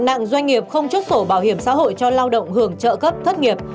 nặng doanh nghiệp không chốt sổ bảo hiểm xã hội cho lao động hưởng trợ cấp thất nghiệp